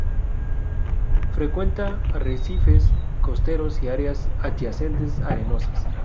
Frecuenta arrecifes costeros, y áreas adyacentes arenosas.